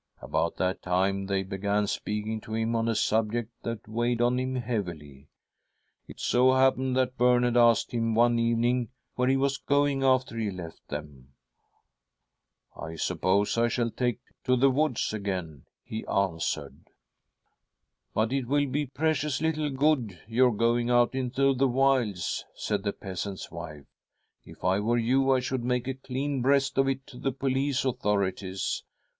"About that time they began speaking to him on a subject that weighed on him heavily. It so happened that Bernard asked him one evening . where he was going after he left them. 'I suppose ■• i _n f —• «sf> ) 158 THY SOUL SHALL BEAR WITNESS I shall take to the woods again,' he answered.. ' But it will be precious little good your going out into the wilds,' said the peasant's wife. ' If I were you, I should make a clean breast of it to the police ^authorities.